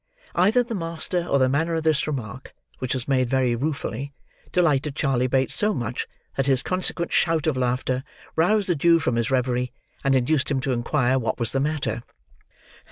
Either the master or the manner of this remark, which was made very ruefully, delighted Charley Bates so much, that his consequent shout of laughter roused the Jew from his reverie, and induced him to inquire what was the matter.